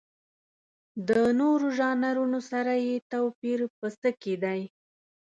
د نورو ژانرونو سره یې توپیر په څه کې دی؟